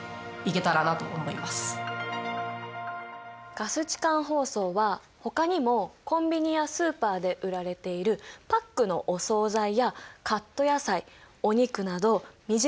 ガス置換包装はほかにもコンビニやスーパーで売られているパックのお総菜やカット野菜お肉など身近に使われている。